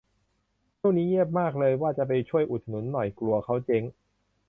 ช่วงนี้เงียบมาก เลยว่าจะไปช่วยอุดหนุนหน่อย กลัวเขาเจ๊ง